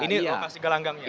ini lokasi gelanggangnya